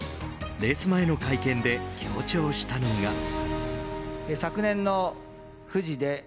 レース前の会見で強調したのが。